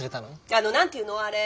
あの何ていうのあれ